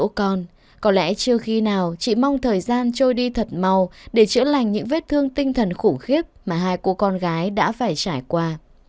bố con có lẽ chưa khi nào chị mong thời gian trôi đi thật mau để chữa lành những vết thương tinh thần khủng khiếp mà hai cô con gái đã phải trải qua